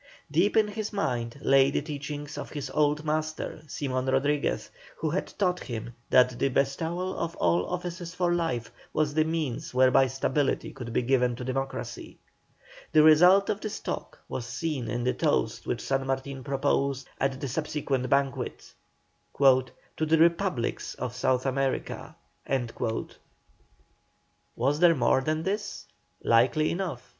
Deep in his mind lay the teachings of his old master, Simon Rodriguez, who had taught him that the bestowal of all offices for life was the means whereby stability could be given to democracy. The result of this talk was seen in the toast which San Martin proposed at the subsequent banquet: "To the REPUBLICS of South America." Was there more than this? Likely enough.